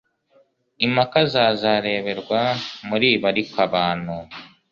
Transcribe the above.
Impaka za zareberwa muri ibi ariko abantu